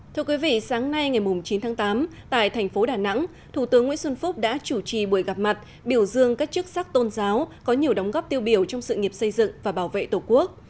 thưa quý vị sáng nay ngày chín tháng tám tại thành phố đà nẵng thủ tướng nguyễn xuân phúc đã chủ trì buổi gặp mặt biểu dương các chức sắc tôn giáo có nhiều đóng góp tiêu biểu trong sự nghiệp xây dựng và bảo vệ tổ quốc